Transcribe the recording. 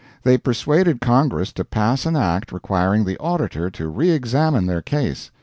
They persuaded Congress to pass an act requiring the Auditor to re examine their case.